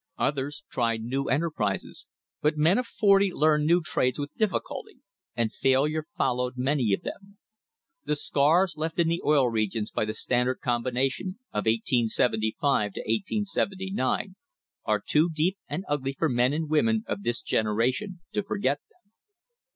Others tried new enterprises, but men of forty learn new trades with difficulty, and failure followed many of them. The scars left in the Oil Regions by the Standard Combination of 1 875 1 879 are too deep and ugly for men and women of this generation to forget them.